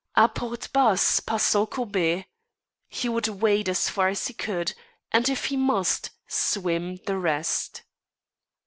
À porte basse, passant courbé. He would wade as far as he could, and if he must, swim the rest.